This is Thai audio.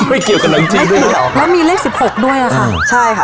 ไม่เกี่ยวกับหนังจีนด้วยเหรอแล้วมีเลขสิบหกด้วยอ่ะค่ะใช่ค่ะ